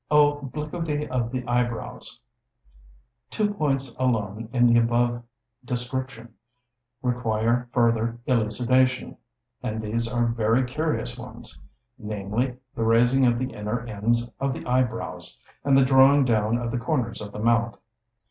Obliquity of the eyebrows.—Two points alone in the above description require further elucidation, and these are very curious ones; namely, the raising of the inner ends of the eyebrows, and the drawing down of the corners of the mouth.